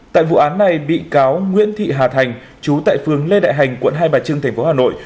tại vụ án này bị cáo nguyễn thị hà thành chú tại phương lê đại hành quận hai bà trưng thành phố hà nội